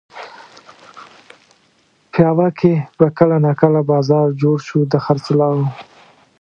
پېوه کې به کله ناکله بازار جوړ شو د خرڅلاو.